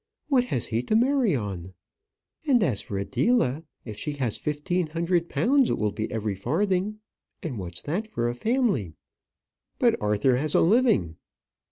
What has he to marry on? And as for Adela, if she has fifteen hundred pounds it will be every farthing. And what's that for a family?" "But Arthur has a living."